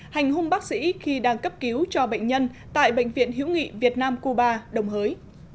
hành hung bác sĩ khi đang cấp cứu cho bệnh nhân tại bệnh viện hữu nghị việt nam cuba đồng hới